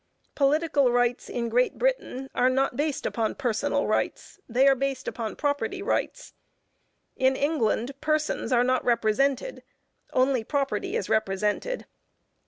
Political rights in Great Britain are not based upon personal rights; they are based upon property rights. In England, persons are not represented; only property is represented.